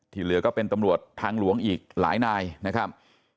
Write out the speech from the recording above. ที่เหลือก็เป็นทางตำรวจหลวงอีกหลายนายนะครับ